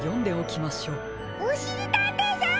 おしりたんていさん！